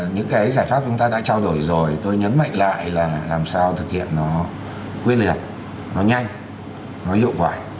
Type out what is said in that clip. những cái giải pháp chúng ta đã trao đổi rồi tôi nhấn mạnh lại là làm sao thực hiện nó quyết liệt nó nhanh nó hiệu quả